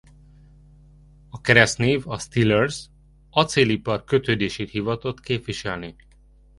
A keresztnév a Steelers acélipar kötődését hivatott képviselni.